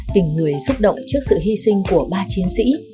tình người xúc động trước sự hy sinh của ba chiến sĩ